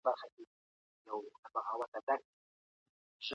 افغانان د خپلو کورنیو ساتنه وکړه.